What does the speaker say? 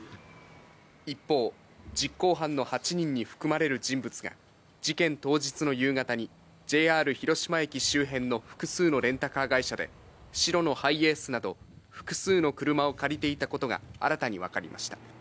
一方、実行犯の８人に含まれる人物が、事件当日の夕方に、ＪＲ広島駅周辺の複数のレンタカー会社で、白のハイエースなど、複数の車を借りていたことが新たに分かりました。